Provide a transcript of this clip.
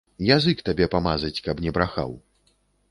Язык табе памазаць, каб не брахаў.